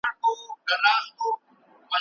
پلار به ورته کیسې او نظمونه لوستل.